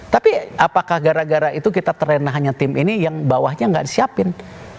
tapi apakah gara gara itu kita terlena hanya tim ini yang bawahnya nggak disiapin